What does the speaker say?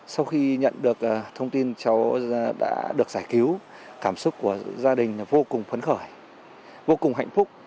sau khi nhận được thông tin cháu đã được giải cứu cảm xúc của gia đình vô cùng phấn khởi vô cùng hạnh phúc